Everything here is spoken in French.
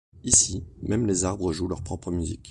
Ici, même les arbres jouent leur propre musique.